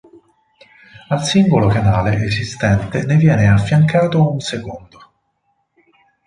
Al singolo canale esistente ne viene affiancato un secondo.